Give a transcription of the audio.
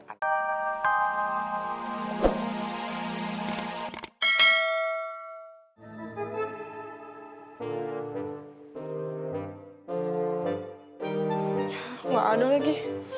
gak ada lagi